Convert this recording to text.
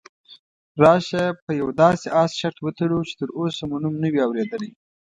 راشه پر یوه داسې اس شرط وتړو چې تراوسه مو نوم نه وي اورېدلی.